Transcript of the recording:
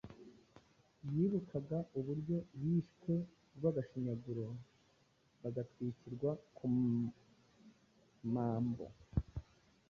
Yibukaga uburyo bishwe urw’agashinyaguro, bagatwikirwa ku mambo,